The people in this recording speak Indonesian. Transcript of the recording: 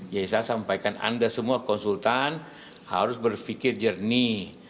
jadi saya sampaikan anda semua konsultan harus berpikir jernih